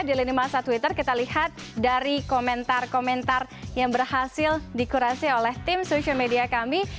di lini masa twitter kita lihat dari komentar komentar yang berhasil dikurasi oleh tim social media kami